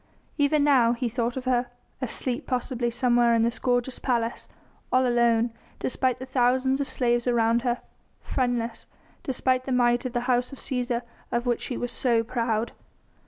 Even now he thought of her asleep possibly somewhere in this gorgeous palace all alone, despite the thousands of slaves around her; friendless, despite the might of the House of Cæsar of which she was so proud.